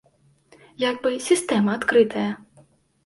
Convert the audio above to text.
Як бы, сістэма адкрытая!